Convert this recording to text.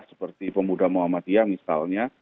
seperti pemuda muhammadiyah misalnya